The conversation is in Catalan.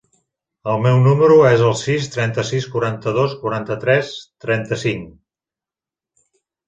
El meu número es el sis, trenta-sis, quaranta-dos, quaranta-tres, trenta-cinc.